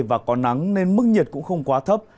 và có nắng nên mức nhiệt cũng không quá thấp